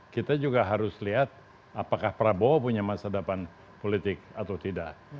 kita juga harus lihat apakah prabowo punya masa depan politik atau tidak